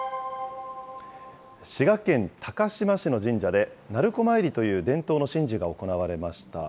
滋賀県高島市の神社で、なるこまいりという伝統の神事が行われました。